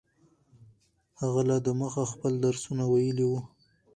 هغه لا دمخه خپل درسونه ویلي وو.